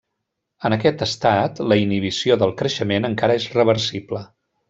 En aquest estat, la inhibició del creixement encara és reversible.